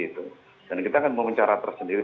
dan kita akan mau mencarah tersendiri